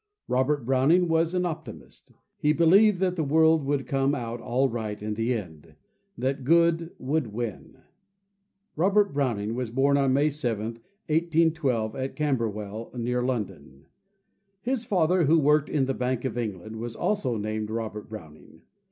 Robert Browning was an optimist. He believed that the world would come out all right in the end, that good would win. Robert Browning was born on May 7, 1812, at Camberwell, near London. His father, who worked in the Bank of England, was also named Robert Browning.